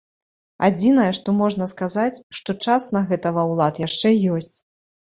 Адзінае, што можна сказаць, што час на гэта ва ўлад яшчэ ёсць.